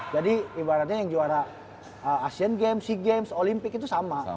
jadi ibaratnya yang juara asean games sea games olimpik itu sama